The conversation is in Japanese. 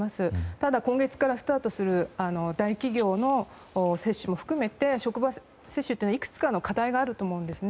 ただ今月からスタートする大企業の接種も含めて職場接種というのは、いくつかの課題があると思うんですね。